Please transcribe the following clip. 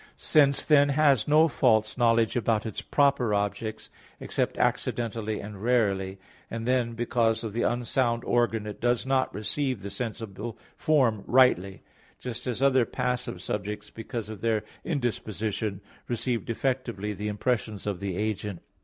Sense, then, has no false knowledge about its proper objects, except accidentally and rarely, and then, because of the unsound organ it does not receive the sensible form rightly; just as other passive subjects because of their indisposition receive defectively the impressions of the agent.